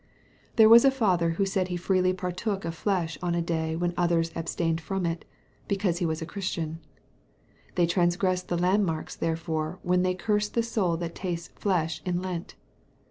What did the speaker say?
There was a father who said he freely partook of flesh on a day when others abstained from it, because he was a Christian. They transgress the landmarks therefore when they curse the soul that tastes flesh in Lent.